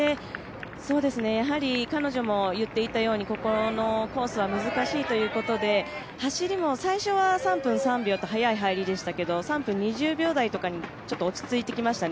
彼女も言っていたようにここのコースは難しいということで走りも最初は３分３秒とはやい入りでしたが３分２０秒台とかにちょっと落ち着いてきました。